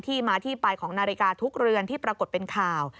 มาที่ไปของนาฬิกาทุกเรือนที่ปรากฏเป็นข่าว